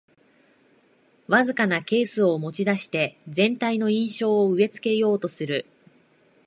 わずかなケースを持ちだして全体の印象を植え付けようとする